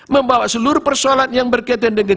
membawa seluruh persoalan yang berkaitan dengan